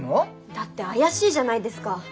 だって怪しいじゃないですか。